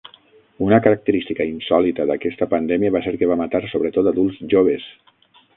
Una característica insòlita d'aquesta pandèmia va ser que va matar sobretot adults joves.